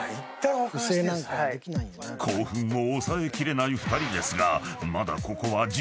［興奮を抑え切れない２人ですがまだ］